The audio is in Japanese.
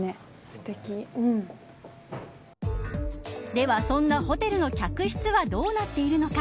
では、そんなホテルの客室はどうなっているのか。